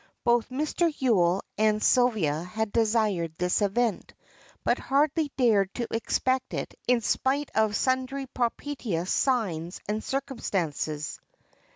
Both Mr. Yule and Sylvia had desired this event, but hardly dared to expect it in spite of sundry propitious signs and circumstances.